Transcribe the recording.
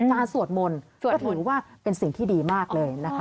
สวดมนต์ก็ถือว่าเป็นสิ่งที่ดีมากเลยนะคะ